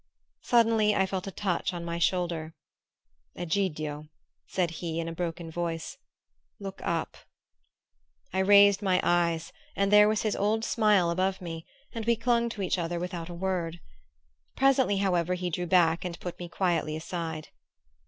Suddenly I felt a touch on my shoulder. "Egidio," said he in a broken voice, "look up." I raised my eyes, and there was his old smile above me, and we clung to each other without a word. Presently, however, he drew back, and put me quietly aside.